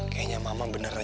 kayaknya mama beneran